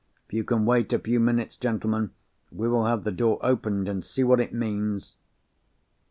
If you can wait a few minutes, gentlemen, we will have the door opened, and see what it means."